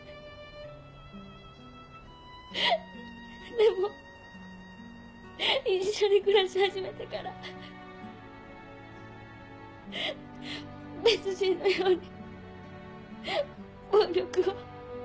でも一緒に暮らし始めてから別人のように暴力を。